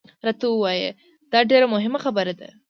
راته ووایه، دا ډېره مهمه خبره ده.